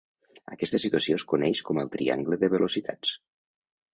Aquesta situació es coneix com el triangle de velocitats.